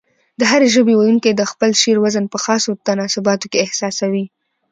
د هرې ژبې ويونکي د خپل شعر وزن په خاصو تناسباتو کې احساسوي.